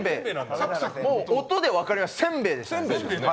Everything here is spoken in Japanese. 音で分かりました、せんべいですね。